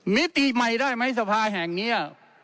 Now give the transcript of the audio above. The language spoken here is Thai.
มิติใหม่ได้ไหมสภาแห่งนี้